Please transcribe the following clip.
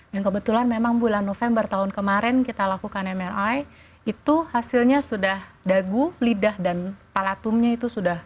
yang kebetulan memang bulan november tahun kemarin kita lakukan mri itu hasilnya sudah dagu lidah dan palatumnya itu sudah